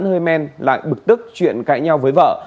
hơi men lại bực tức chuyện cãi nhau với vợ